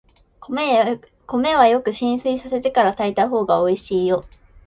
米はよく浸水させてから炊いたほうがおいしいよ。